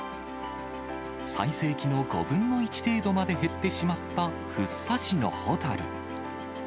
最盛期の５分の１程度まで減ってしまった福生市のホタル。